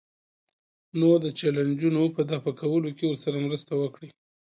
نو د چیلنجونو په دفع کولو کې ورسره مرسته وکړئ.